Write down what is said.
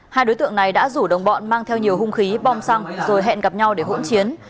hai đối tượng này đã rủ đồng bọn mang theo nhiều hung khí bom xăng rồi hẹn gặp nhau để hỗn chiến